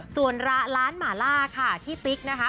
ส่วนร้านหมาล่าค่ะที่ติ๊กนะคะ